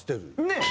ねえ。